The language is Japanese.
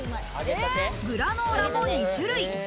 グラノーラも２種類。